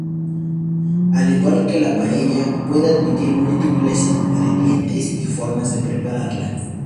Al igual que la paella, puede admitir múltiples ingredientes y formas de prepararla.